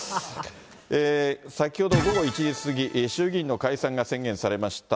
先ほど午後１時過ぎ、衆議院の解散が宣言されました。